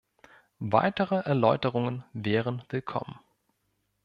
Weitere Erläuterungen wären willkommen.